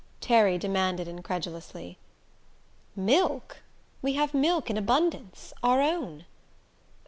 Terry demanded incredulously. "Milk? We have milk in abundance our own."